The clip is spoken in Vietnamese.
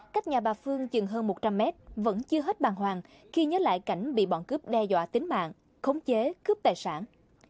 cách nhà bà phương chừng hơn một trăm linh mét vẫn chưa hết bàng hoàng khi nhớ lại cảnh bị bọn cướp đe dọa tính mạng khống chế cướp tài sản